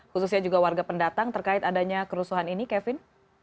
khususnya juga warga pendatang terkait adanya kerusuhan ini kevin